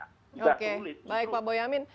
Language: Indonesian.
oke baik pak boyamin